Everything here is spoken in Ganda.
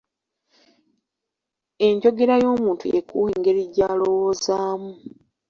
Enjogera y'omuntu y'ekuwa engeri gy'alowoozamu.